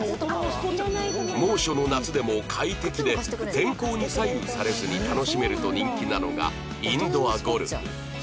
猛暑の夏でも快適で天候に左右されずに楽しめると人気なのがインドアゴルフ